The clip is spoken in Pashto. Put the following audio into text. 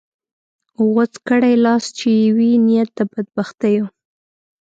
غوڅ کړې لاس چې یې وي نیت د بدبختیو